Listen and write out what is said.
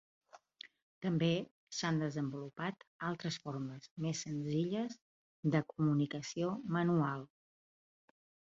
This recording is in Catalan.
També s'han desenvolupat altres formes més senzilles de comunicació manual.